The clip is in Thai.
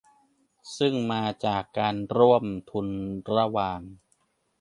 ซึ่งมาจากการร่วมทุนระหว่าง